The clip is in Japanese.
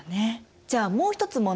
じゃあもう一つ問題。